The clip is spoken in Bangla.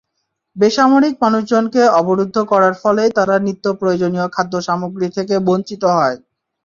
বেসামরিক মানুষজনকে অবরুদ্ধ করার ফলেই তারা নিত্যপ্রয়োজনীয় খাদ্যসামগ্রী থেকে বঞ্চিত হয়।